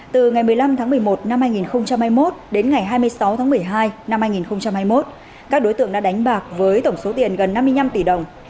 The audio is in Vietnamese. từ ngày một mươi năm tháng một mươi một năm hai nghìn hai mươi một đến ngày hai mươi sáu tháng một mươi hai năm hai nghìn hai mươi một các đối tượng đã đánh bạc với tổng số tiền gần năm mươi năm tỷ đồng